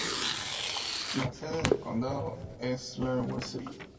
La sede de condado es Lawrenceville.